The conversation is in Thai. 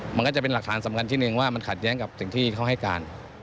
มันก็จะเป็นหลักฐานสำคัญที่หนึ่งว่ามันขัดแย้งกับสิ่งที่เขาให้การ